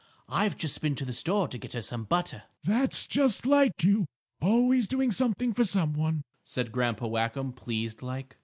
I've just been to the store to get her some butter." "That's just like you; always doing something for some one," said Grandpa Whackum, pleased like.